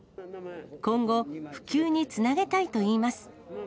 今後、普及につなげたいといいます。